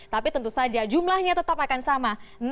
tapi tentu saja jumlahnya tetap akan sama